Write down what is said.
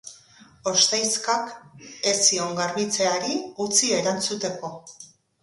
Ostaizkak ez zion garbitzeari utzi erantzuteko.